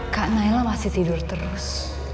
kak naila masih tidur terus